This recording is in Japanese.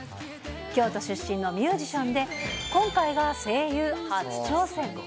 京都出身のミュージシャンで、今回が声優初挑戦。